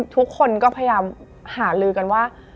ทุกคนก็พยายามหาลือกันว่า